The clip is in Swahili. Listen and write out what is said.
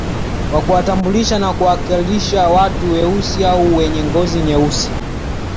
Kwa kuwatambulisha au kuwakilisha watu weusi au wenye ngoz nyeusi